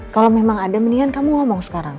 kalau memang ada mendingan kamu ngomong sekarang